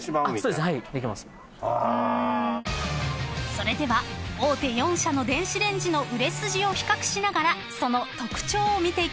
［それでは大手４社の電子レンジの売れ筋を比較しながらその特徴を見ていきましょう］